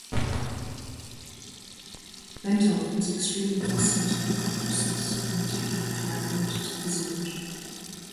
Bentov was extremely fascinated by consciousness, in particular how it related to physiology.